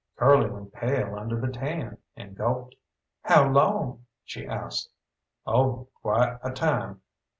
Curly went pale under the tan, and gulped. "How long?" she asked. "Oh, quite a time.